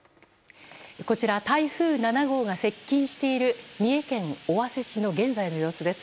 こちら、台風７号が接近している三重県尾鷲市の現在の様子です。